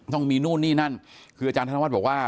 ต้องมีนู่นนี่นั่นคืออาจารย์ธนวัฒน์บอกว่า